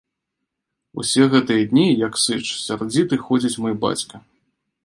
Усе гэтыя дні, як сыч, сярдзіты ходзіць мой бацька.